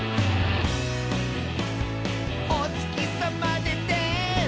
「おつきさまでて」